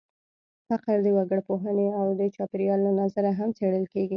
فقر د وګړپوهنې او د چاپېریال له نظره هم څېړل کېږي.